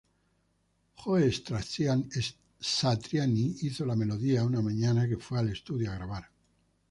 Joe Satriani hizo la melodía una mañana que fue al estudio a grabar.